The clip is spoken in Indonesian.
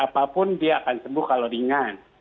apapun dia akan sembuh kalau ringan